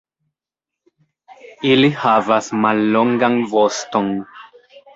Ili havas mallongan voston.